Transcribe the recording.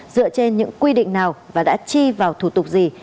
dựa trên những quy định nào và đã chi vào thủ tục gì